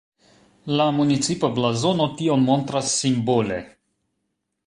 La municipa blazono tion montras simbole.